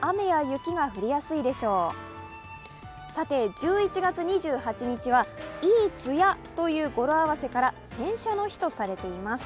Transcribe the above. １１月２８日はいいつやという語呂合わせから、洗車の日とされています。